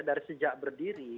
dari sejak berdiri